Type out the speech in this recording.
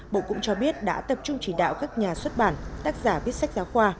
bộ cũng cho biết đã tập trung chỉ đạo các nhà xuất bản tác giả viết sách giáo khoa